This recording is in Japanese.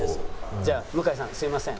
「じゃあ向井さんすみません」。